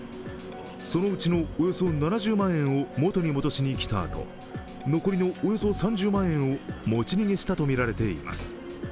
そのうちのおよそ７０万円を元に戻しに来たあと、残りのおよそ３０万円を持ち逃げしたとみられています。